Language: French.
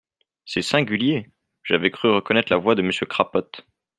C’est singulier !… j’avais cru reconnaître la voix de Monsieur Crapote.